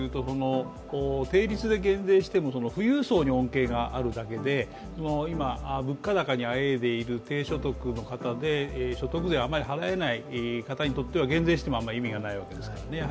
定率で減税しても富裕層に影響があるだけで今、物価高にあえいでいる低所得の方で所得税をあんまり払えない方には減税しても余り意味がないわけですよね。